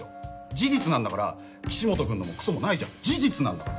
事実なんだから岸本君のもくそもないじゃん事実なんだから。